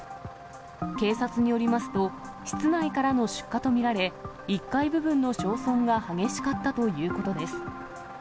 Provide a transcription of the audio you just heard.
警察によりますと、室内からの出火と見られ、１階部分の焼損が激しかったということです。